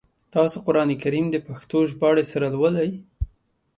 تاسو قرآن کریم د پښتو ژباړي سره لولی ؟